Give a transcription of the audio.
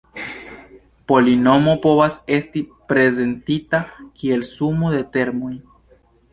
Polinomo povas esti prezentita kiel sumo de termoj.